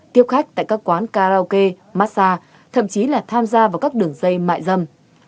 tiếp khách tại các quán karaoke massage thậm chí là tham gia vào các đường dây mại dầm